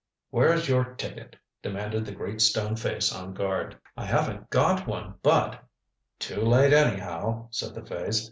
"Where's your ticket?" demanded the great stone face on guard. "I haven't got one, but " "Too late anyhow," said the face.